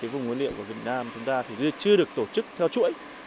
vùng nguyên liệu của việt nam chúng ta chưa được tổ chức theo chuỗi